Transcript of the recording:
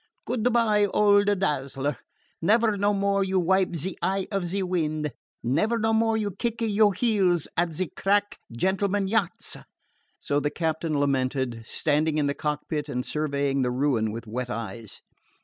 "Good by, old a Dazzler. Never no more you wipe ze eye of ze wind. Never no more you kick your heels at ze crack gentlemen yachts." So the captain lamented, standing in the cockpit and surveying the ruin with wet eyes.